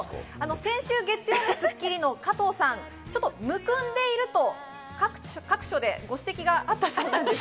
先週月曜日の『スッキリ』の加藤さん、ちょっとむくんでいると、各所でご指摘があったそうなんです。